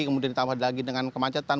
kemudian ditambah lagi dengan kemacetan